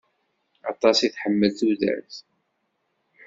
Aṭas i iḥemmel tudert.